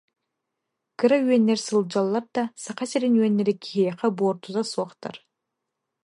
Кыра үөннэр сылдьаллар да, Саха сирин үөннэрэ киһиэхэ буортута суохтар